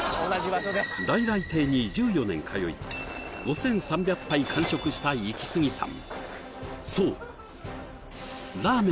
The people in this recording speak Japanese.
来来亭に１４年通い５３００杯完食したイキスギさん